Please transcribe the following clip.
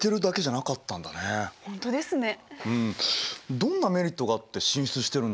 どんなメリットがあって進出してるんだろう？